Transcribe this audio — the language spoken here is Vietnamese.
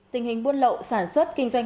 tình hình buôn lậu sản xuất kinh doanh